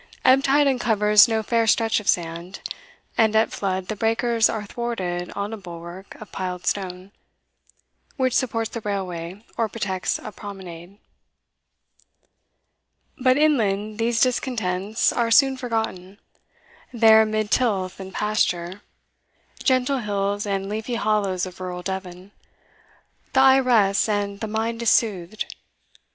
Ebb tide uncovers no fair stretch of sand, and at flood the breakers are thwarted on a bulwark of piled stone, which supports the railway, or protects a promenade. But inland these discontents are soon forgotten; there amid tilth and pasture, gentle hills and leafy hollows of rural Devon, the eye rests and the mind is soothed.